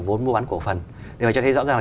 vốn mua bán cổ phần để mà cho thấy rõ ràng là